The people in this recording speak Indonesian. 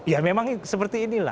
ya memang seperti inilah